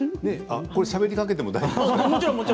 しゃべりかけても大丈夫ですか？